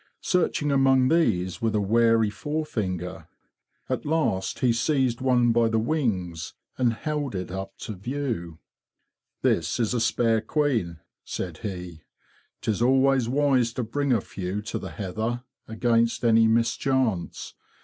Searching among these with a wary forefinger, at last he seized one by the wings and held it up to view. '* This is a spare queen,"' said he. '''Tis always wise to bring a few to the heather, against any mis chance.